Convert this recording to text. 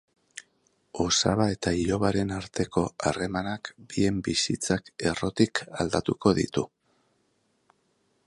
Osaba eta ilobaren arteko harremanak bien bizitzak errotik aldatuko ditu.